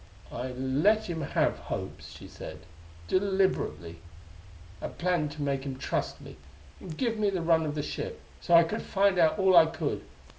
"I let him have hopes," she said, " deliberately. I planned to make him trust me, and give me the run of the ship, so I could find out all I could.